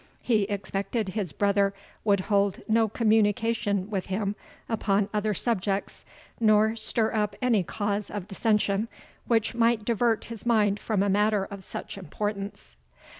He expected his brother would hold no communication with him upon other subjects, nor stir up any cause of dissension, which might divert his mind from a matter of such importance."